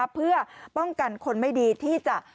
เพื่อป้องกันคนไม่ดีที่จะ